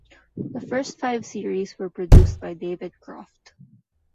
The first five series were produced by David Croft.